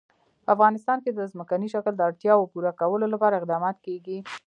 په افغانستان کې د ځمکنی شکل د اړتیاوو پوره کولو لپاره اقدامات کېږي.